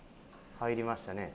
入りましたね。